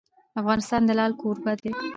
افغانستان د لعل کوربه دی.